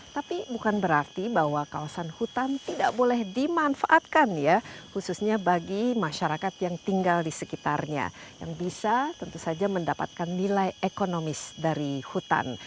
tapi bukan berarti bahwa kawasan hutan tidak boleh dimanfaatkan ya khususnya bagi masyarakat yang tinggal di sekitarnya yang bisa tentu saja mendapatkan nilai ekonomis dari hutan